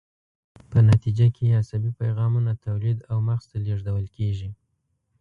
په نتیجه کې یې عصبي پیغامونه تولید او مغز ته لیږدول کیږي.